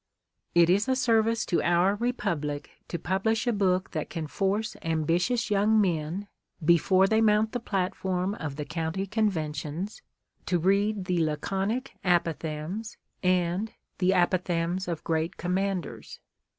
It is a service to our Republic to puljlish a book that can force ambitious young men, before they mount the platform of the county conventions, to read the " Laconic Apothegms " and the " Apothegms of Great Commanders."